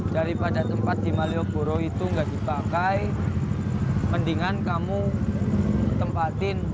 daripada tempat di malioboro itu nggak dipakai mendingan kamu tempatin